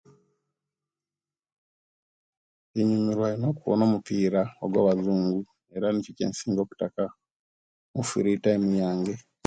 Inyumirwa ino okuwona omupiira ogwabazungu, eera nikyo ekyensinga okutaka mu firii taimu yange.